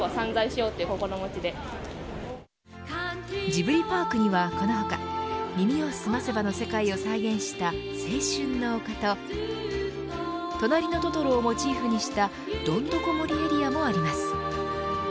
ジブリパークには、この他耳をすませばの世界を再現した青春の丘ととなりのトトロをモチーフにしたどんどこ森エリアもあります。